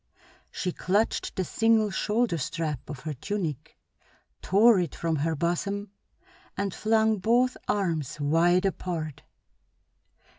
She clutched the single shoulder strap of her tunic, tore it from her bosom, and flung both arms wide apart.